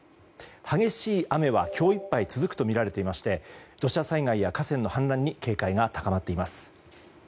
激しい雨は今日いっぱい続くとみられていまして土砂災害や河川の氾濫に警戒が高まっています。